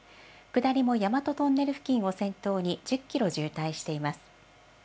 下りも大和トンネル付近を先頭に、１０キロ渋滞しています。